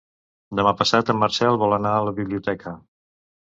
Demà passat en Marcel vol anar a la biblioteca.